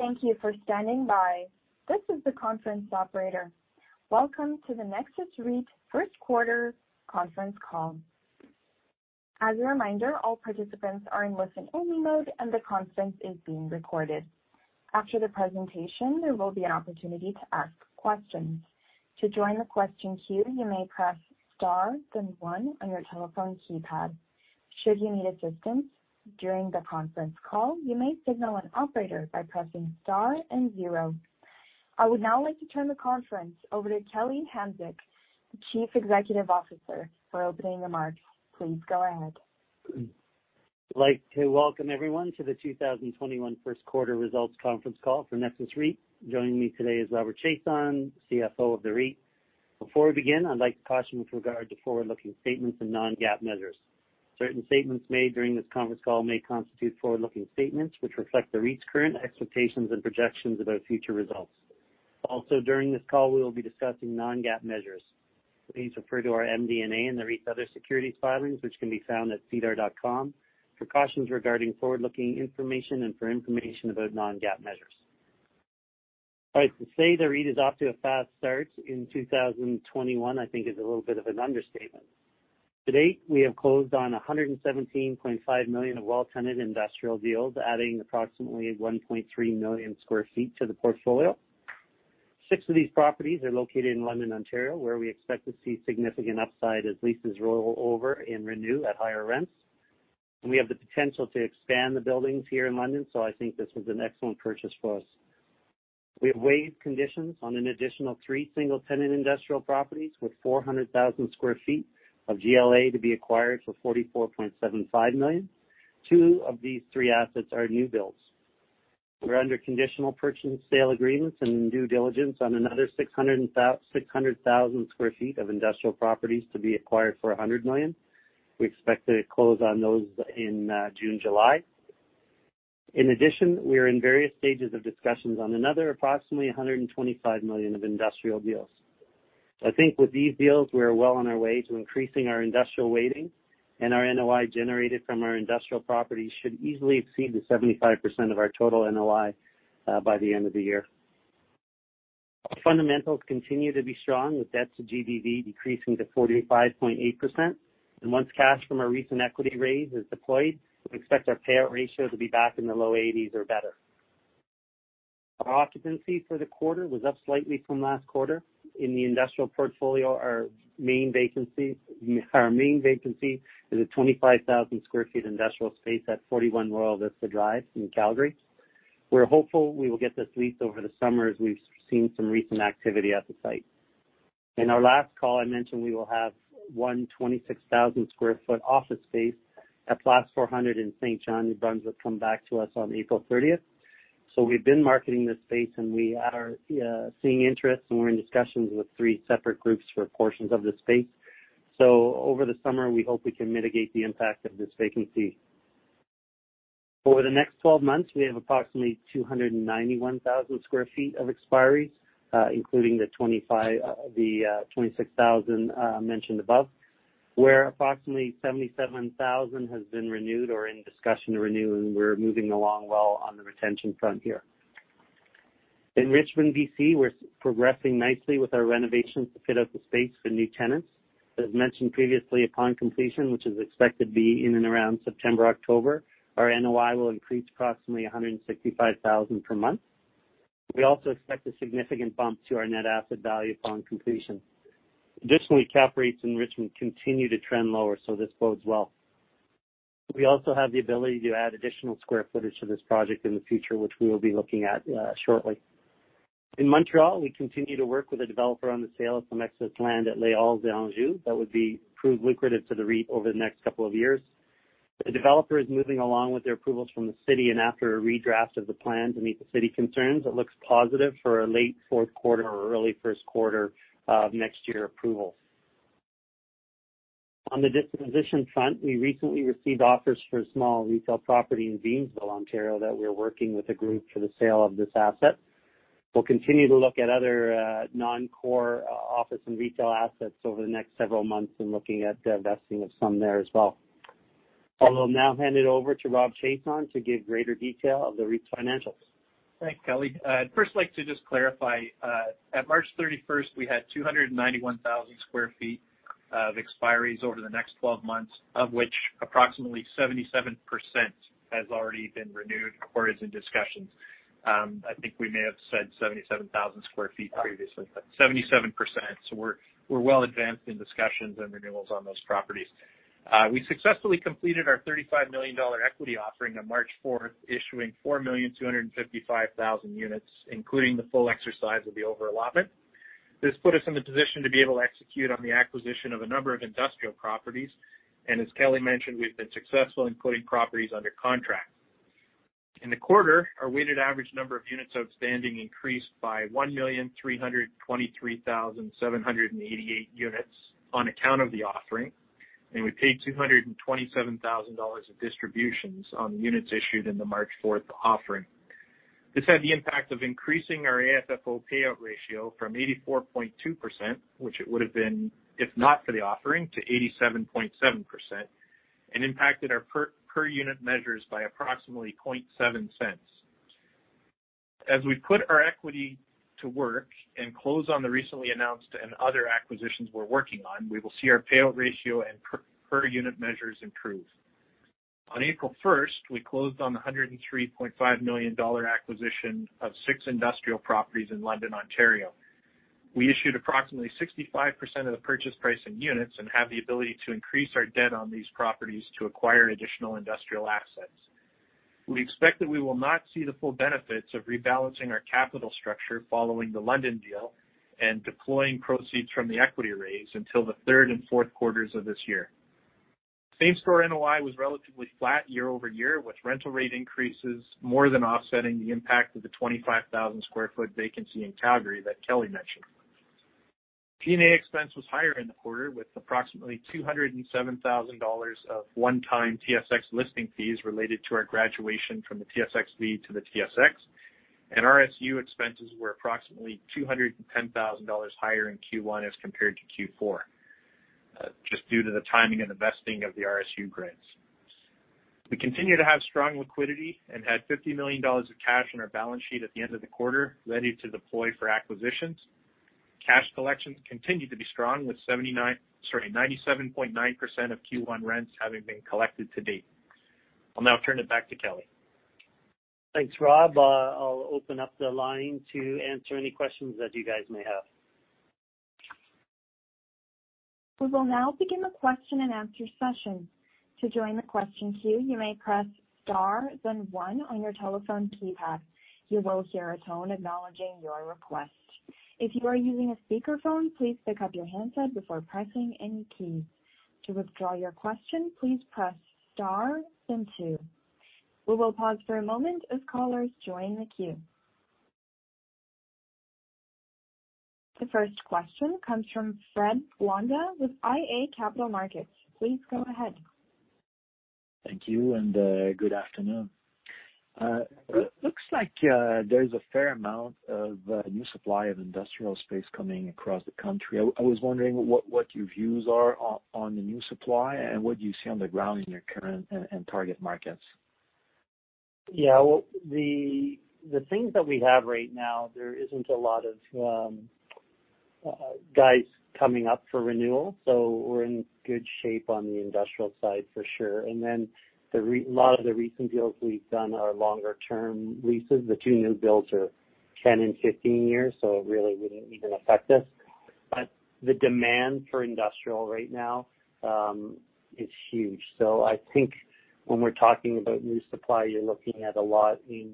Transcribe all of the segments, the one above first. Thank you for standing by. This is the conference operator. Welcome to the Nexus REIT first quarter conference call. As a reminder, all participants are in listen-only mode, and the conference is being recorded. After the presentation, there will be an opportunity to ask questions. To join the question queue, you may press star then one on your telephone keypad. Should you need assistance during the conference call, you may signal an operator by pressing star and zero. I would now like to turn the conference over to Kelly Hanczyk, the Chief Executive Officer, for opening remarks. Please go ahead. I'd like to welcome everyone to the 2021 first quarter results conference call for Nexus REIT. Joining me today is Robert Chiasson, CFO of the REIT. Before we begin, I'd like to caution with regard to forward-looking statements and non-GAAP measures. Certain statements made during this conference call may constitute forward-looking statements, which reflect the REIT's current expectations and projections about future results. Also, during this call, we will be discussing non-GAAP measures. Please refer to our MD&A in the REIT's other securities filings, which can be found at sedar.com for cautions regarding forward-looking information and for information about non-GAAP measures. All right. To say the REIT is off to a fast start in 2021, I think is a little bit of an understatement. To date, we have closed on 117.5 million of well-tenanted industrial deals, adding approximately 1.3 million square feet to the portfolio. Six of these properties are located in London, Ontario, where we expect to see significant upside as leases roll over and renew at higher rents. We have the potential to expand the buildings here in London. I think this was an excellent purchase for us. We have waived conditions on an additional three single-tenant industrial properties with 400,000 sq ft of GLA to be acquired for 44.75 million. Two of these three assets are new builds. We're under conditional purchase and sale agreements and due diligence on another 600,000 sq ft of industrial properties to be acquired for 100 million. We expect to close on those in June, July. In addition, we are in various stages of discussions on another approximately 125 million of industrial deals. I think with these deals, we are well on our way to increasing our industrial weighting, and our NOI generated from our industrial properties should easily exceed the 75% of our total NOI by the end of the year. Our fundamentals continue to be strong with debt to GBV decreasing to 45.8%, and once cash from our recent equity raise is deployed, we expect our payout ratio to be back in the low 80s or better. Our occupancy for the quarter was up slightly from last quarter. In the industrial portfolio, our main vacancy is a 25,000 sq ft industrial space at 41 Royal Vista Drive in Calgary. We're hopeful we will get this leased over the summer as we've seen some recent activity at the site. In our last call, I mentioned we will have 126,000 sq ft office space at Place 400 in Saint John, New Brunswick, come back to us on April 30th. We've been marketing this space, and we are seeing interest, and we're in discussions with three separate groups for portions of the space. Over the summer, we hope we can mitigate the impact of this vacancy. Over the next 12 months, we have approximately 291,000 sq ft of expiries, including the 26,000 sq ft mentioned above, where approximately 77,000 sq ft has been renewed or in discussion to renew, and we're moving along well on the retention front here. In Richmond, B.C., we're progressing nicely with our renovations to fit out the space for new tenants. As mentioned previously, upon completion, which is expected to be in and around September, October, our NOI will increase to approximately 165,000 per month. We also expect a significant bump to our net asset value upon completion. Additionally, cap rates in Richmond continue to trend lower. This bodes well. We also have the ability to add additional square footage to this project in the future, which we will be looking at shortly. In Montreal, we continue to work with a developer on the sale of some excess land at De Lorimier that would be proved lucrative to the REIT over the next couple of years. The developer is moving along with the approvals from the city, and after a redraft of the plan to meet the city concerns, it looks positive for a late fourth quarter or early first quarter of next year approval. On the disposition front, we recently received offers for a small retail property in Gainsborough, Ontario that we're working with a group for the sale of this asset. We'll continue to look at other non-core office and retail assets over the next several months and looking at divesting of some there as well. I will now hand it over to Rob Chiasson to give greater detail of the REIT's financials. Thanks, Kelly. I'd first like to just clarify, at March 31st, we had 291,000 sq ft of expiries over the next 12 months, of which approximately 77% has already been renewed or is in discussions. I think we may have said 77,000 sq ft previously, but 77%. We're well advanced in discussions and renewals on those properties. We successfully completed our 35 million dollar equity offering on March 4th, issuing 4,255,000 units, including the full exercise of the over allotment. As Kelly mentioned, we've been successful in putting properties under contract. In the quarter, our weighted average number of units outstanding increased by 1,323,788 units on account of the offering, and we paid 227,000 dollars of distributions on the units issued in the March 4th offering. This had the impact of increasing our AFFO payout ratio from 84.2%, which it would have been if not for the offering, to 87.7%. Impacted our per unit measures by approximately 0.007. As we put our equity to work and close on the recently announced and other acquisitions we're working on, we will see our payout ratio and per unit measures improve. On April 1st, we closed on the 103.5 million dollar acquisition of six industrial properties in London, Ontario. We issued approximately 65% of the purchase price in units and have the ability to increase our debt on these properties to acquire additional industrial assets. We expect that we will not see the full benefits of rebalancing our capital structure following the London deal and deploying proceeds from the equity raise until the third and fourth quarters of this year. Same-store NOI was relatively flat year-over-year, with rental rate increases more than offsetting the impact of the 25,000 sq ft vacancy in Calgary that Kelly mentioned. G&A expense was higher in the quarter, with approximately 207,000 dollars of one-time TSX listing fees related to our graduation from the TSXV to the TSX, and RSU expenses were approximately 210,000 dollars higher in Q1 as compared to Q4. Just due to the timing and vesting of the RSU grants. We continue to have strong liquidity and had 50 million dollars of cash on our balance sheet at the end of the quarter, ready to deploy for acquisitions. Cash collections continue to be strong, with 97.9% of Q1 rents having been collected to date. I'll now turn it back to Kelly. Thanks, Rob. I'll open up the line to answer any questions that you guys may have. We will now begin the question-and-answer session. To join the question queue, you may press star then one on your telephone keypad. You will hear a tone acknowledging your request. If you are using a speakerphone, please pick up your handset before pressing any keys. To withdraw your question, please press star then two. We will pause for a moment as callers join the queue. The first question comes from Frédéric Blondeau with iA Capital Markets. Please go ahead. Thank you, and good afternoon. It looks like there's a fair amount of new supply of industrial space coming across the country. I was wondering what your views are on the new supply and what you see on the ground in your current and target markets. Yeah. Well, the things that we have right now, there isn't a lot of guides coming up for renewal, so we're in good shape on the industrial side for sure. A lot of the recent deals we've done are longer-term leases. The two new builds are 10 and 15 years, so it really wouldn't even affect us. The demand for industrial right now is huge. I think when we're talking about new supply, you're looking at a lot in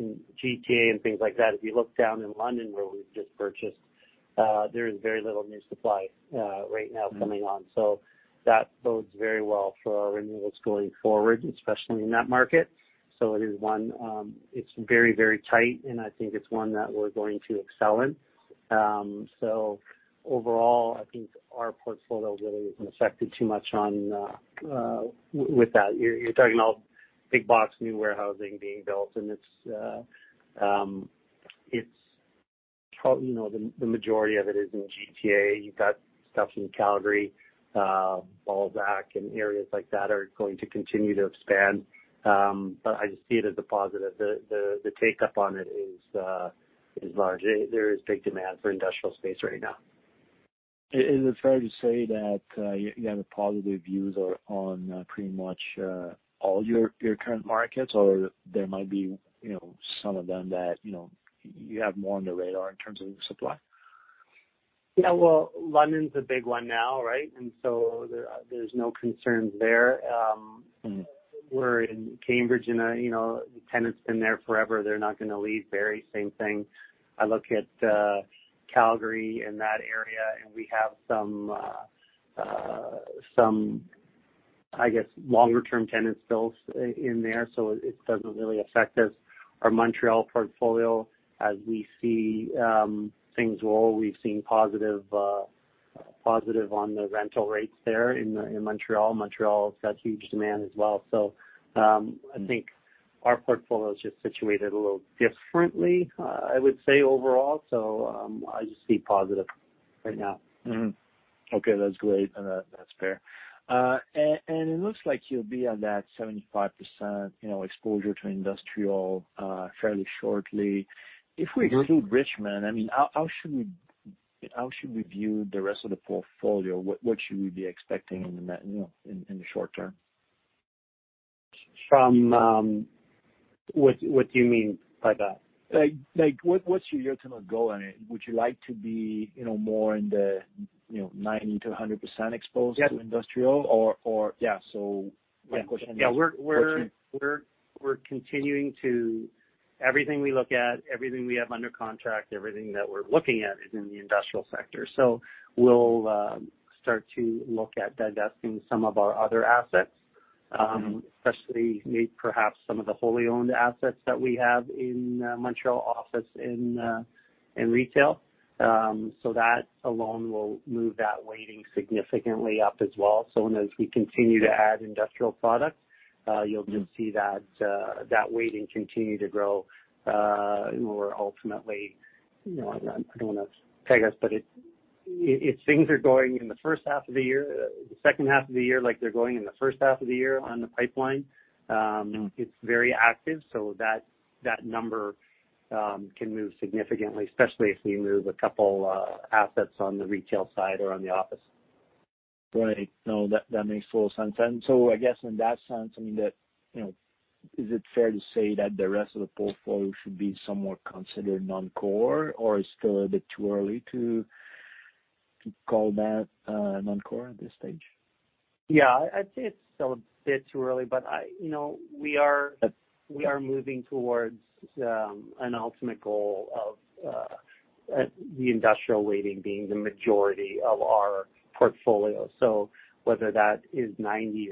GTA and things like that. If you look down in London where we've just purchased, there's very little new supply right now coming on. That bodes very well for our renewals going forward, especially in that market. It's very tight, and I think it's one that we're going to excel in. Overall, I think our portfolio really isn't affected too much with that. You're talking about big box new warehousing being built and the majority of it is in GTA. You've got stuff in Calgary, Balzac, and areas like that are going to continue to expand. I just see it as a positive. The take-up on it is large. There is big demand for industrial space right now. Is it fair to say that you have positive views on pretty much all your current markets, or there might be some of them that you have more on the radar in terms of new supply? Yeah. Well, London's a big one now, right? There's no concerns there. We're in Cambridge and tenants have been there forever. They're not going to leave. Barrie, same thing. I look at Calgary and that area, and we have some longer-term tenants still in there, so it doesn't really affect us. Our Montreal portfolio, as we see things roll, we've seen positive on the rental rates there in Montreal. Montreal's got huge demand as well. I think our portfolio's just situated a little differently, I would say, overall. I just see positive right now. Okay. That's great. That's fair. It looks like you'll be on that 75% exposure to industrial fairly shortly. If we include Richmond, how should we view the rest of the portfolio? What should we be expecting in the short term? What do you mean by that? What's your ultimate goal in it? Would you like to be more in the 90%-100% exposed to industrial? Yeah, what's your end game? Yeah. We're continuing. Everything we look at, everything we have under contract, everything that we're looking at is in the industrial sector. We'll start to look at divesting some of our other assets, especially maybe perhaps some of the wholly owned assets that we have in Montreal office and retail. That alone will move that weighting significantly up as well. As we continue to add industrial product, you'll then see that weighting continue to grow, and we're ultimately, I don't want to peg us, but If things are going in the first half of the year, the second half of the year like they're going in the first half of the year on the pipeline, it's very active so that number can move significantly, especially if we move a couple assets on the retail side or on the office. Right. No, that makes total sense. I guess in that sense, is it fair to say that the rest of the portfolio should be somewhat considered non-core, or it's still a bit too early to call that non-core at this stage? Yeah. I'd say it's still a bit too early. We are moving towards an ultimate goal of the industrial weighting being the majority of our portfolio. Whether that is 90%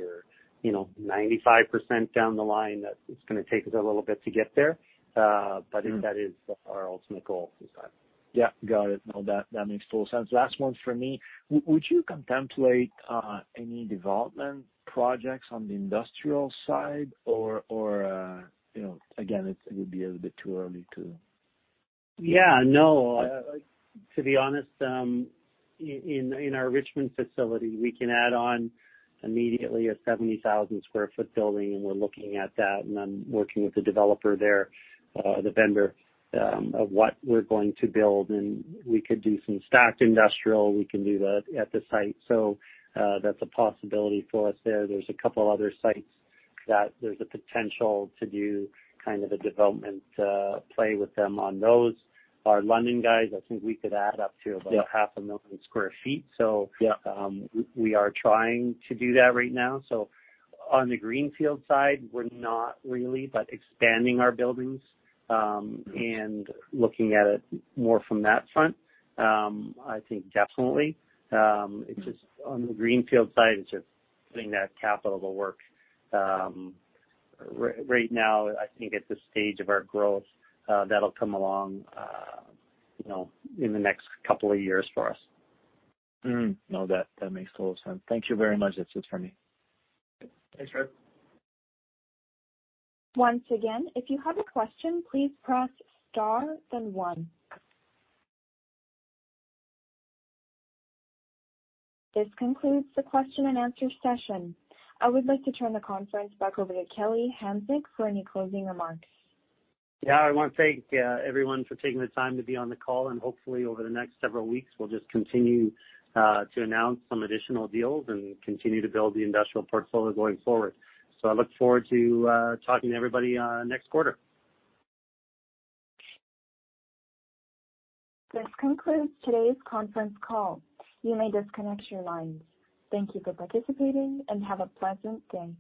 or 95% down the line, it's going to take us a little bit to get there. That is our ultimate goal for sure. Yeah. Got it. No, that makes total sense. Last one from me. Would you contemplate any development projects on the industrial side or, again, it would be a bit too early to? Yeah, no. To be honest, in our Richmond facility, we can add on immediately a 70,000 sq ft building, and we're looking at that and I'm working with the developer there, the vendor, of what we're going to build, and we could do some stacked industrial. We can do that at the site. That's a possibility for us there. There's a couple other sites that there's a potential to do kind of a development play with them on those. Our London guys, I think we could add up to about 500,000 sq ft. Yeah We are trying to do that right now. On the greenfield side, we're not really, but expanding our buildings and looking at it more from that front, I think definitely. It's just on the greenfield side, it's just getting that capital to work. Right now, I think at this stage of our growth, that'll come along in the next couple of years for us. No, that makes a lot of sense. Thank you very much. That's it for me. Thanks, Fred. Once again, if you have a question, please press star then one. This concludes the question-and-answer session. I would like to turn the conference back over to Kelly Hanczyk for any closing remarks. I want to thank everyone for taking the time to be on the call, and hopefully over the next several weeks, we'll just continue to announce some additional deals and continue to build the industrial portfolio going forward. I look forward to talking to everybody next quarter. This concludes today's conference call. You may disconnect your lines. Thank you for participating and have a pleasant day.